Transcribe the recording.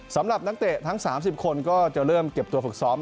สำหรับนักเตะทั้ง๓๐คนก็จะเริ่มเก็บตัวฝึกซ้อม